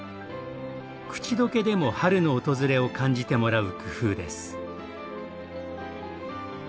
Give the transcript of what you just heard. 口溶けでも春の訪れを感じてもらう工夫です。